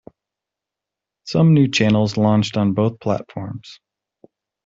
Some new channels launched on both platforms.